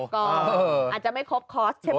ก็อาจจะไม่ครบคอร์สใช่ไหม